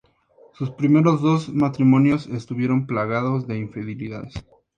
Sus primeros dos matrimonios estuvieron plagados de infidelidades.